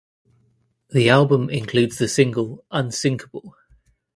The album includes the single "Unsinkable".